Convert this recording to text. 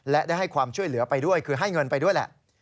และได้ให้ความช่วยเหลือไปด้วยคือให้เงินไปด้วยแหละ